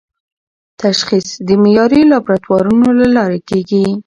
تشخیص د معیاري لابراتوارونو له لارې کېږي.